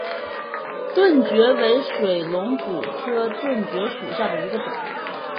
盾蕨为水龙骨科盾蕨属下的一个种。